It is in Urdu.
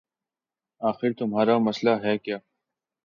آخر تمہارا مسئلہ ہے کیا